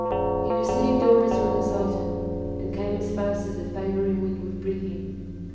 He received orders from the Sultan, and came as fast as a favoring wind would bring him.